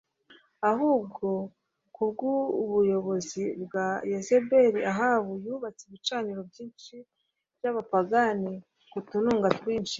ahubwo kubwubuyobozi bwa Yezebeli Ahabu yubatse ibicaniro byinshi byabapagani ku tununga twinshi